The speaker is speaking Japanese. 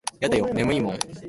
やだよ眠いもん。